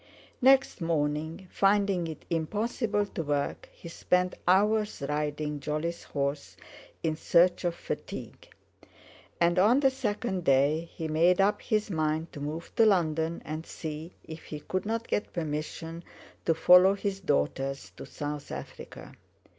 Next morning, finding it impossible to work, he spent hours riding Jolly's horse in search of fatigue. And on the second day he made up his mind to move to London and see if he could not get permission to follow his daughters to South Africa.